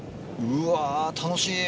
うわ楽しい。